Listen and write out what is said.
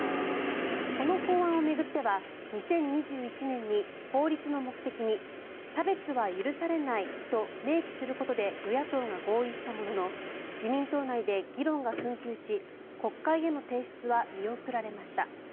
この法案を巡っては２０２１年に法律の目的に差別は許されないと明記することで与野党が合意したものの自民党内で議論が紛糾し国会への提出は見送られました。